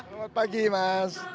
selamat pagi mas